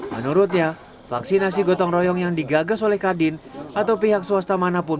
menurutnya vaksinasi gotong royong yang digagas oleh kadin atau pihak swasta manapun